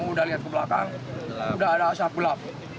udah lihat ke belakang udah ada asap gelap